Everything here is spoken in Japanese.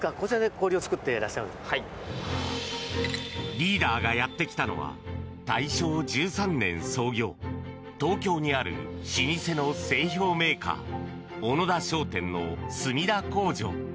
リーダーがやってきたのは大正１３年創業東京にある老舗の製氷メーカー小野田商店の墨田工場。